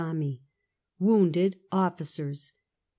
WOUNDED OFFICERS.